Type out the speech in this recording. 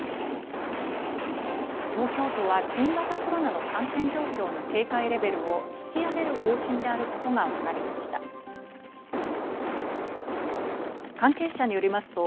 東京都は新型コロナの感染状況の警戒レベルを引き上げる方針であることがわかりました。